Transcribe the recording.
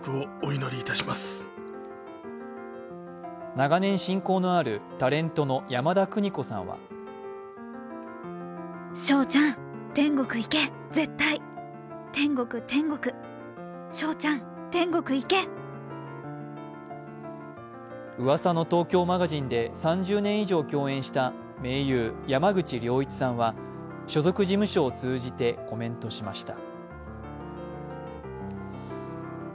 長年親交のあるタレントの山田邦子さんは「噂の！東京マガジン」で３０年以上共演した盟友・山口良一さんは所属事務所を通じてコメントしました。